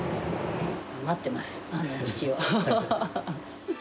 待ってます、父を。